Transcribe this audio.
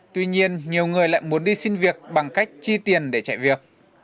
tuy nhiên nhiều người lại muốn đi xin việc bằng cách chi tiền để chạy việc